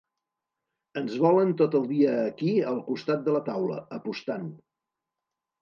Ens volen tot el dia aquí al costat de la taula, apostant.